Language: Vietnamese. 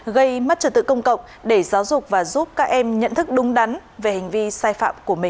gây mất trật tự công cộng để giáo dục và giúp các em nhận thức đúng đắn về hành vi sai phạm của mình